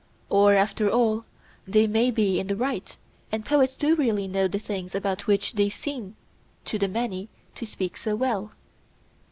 Or, after all, they may be in the right, and poets do really know the things about which they seem to the many to speak so well?